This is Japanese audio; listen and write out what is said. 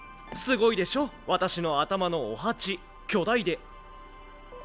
すごいでしょ私の頭のおはち巨大で。